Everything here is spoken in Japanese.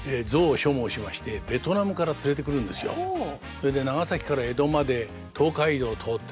それで長崎から江戸まで東海道通ってですね